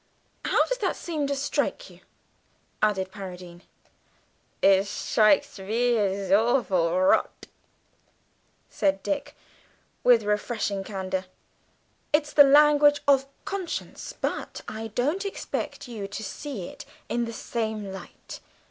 "How does that seem to strike you?" added Paradine. "It shtrikes me as awful rot," said Dick, with refreshing candour. "It's the language of conscience, but I don't expect you to see it in the same light.